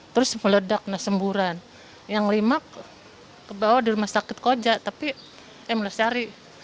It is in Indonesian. terus meledak semburan yang lima kebawa di rumah sakit koja tapi mulai cari